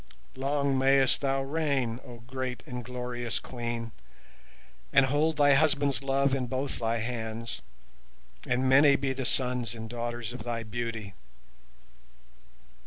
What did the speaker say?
Long mayst thou reign, O great and glorious Queen, and hold thy husband's love in both thy hands, and many be the sons and daughters of thy beauty.